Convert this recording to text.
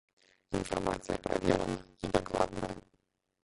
Інфармацыя праверана і дакладная.